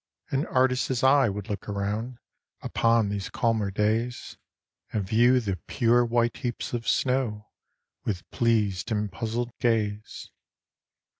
An artist's eye would look around, Upon these calmer days, And view the pure white heaps of snow, With pleas'd and puzzl'd gaze.